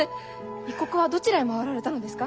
異国はどちらへ回られたのですか？